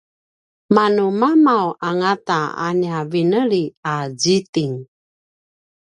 manu mamav angata a nia vineli a zitting